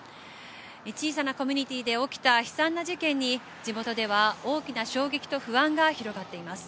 小さなコミュニティーで起きた悲惨な事件に地元では大きな衝撃と不安が広がっています。